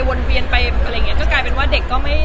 วนเปลี่ยนไปก็กลายเป็นว่าเด็กก็